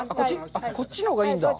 こっちのほうがいいんだ。